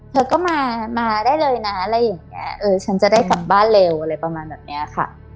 เธอก็มามาได้เลยนะอะไรอย่างเงี้ยเออฉันจะได้กลับบ้านเร็วอะไรประมาณแบบเนี้ยค่ะ